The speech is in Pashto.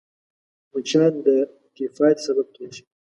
مچان د تيفايد سبب کېږي